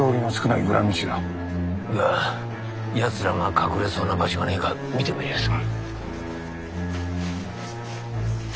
では奴らが隠れそうな場所がねえか見てまいりやす。